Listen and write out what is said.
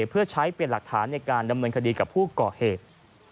เพื่อใช้เป็นหลักฐานในการดำเนินคดีกับผู้ก่อเหตุ